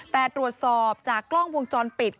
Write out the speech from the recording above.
แต่ตรวจสอบจากกล้องวงจรปิด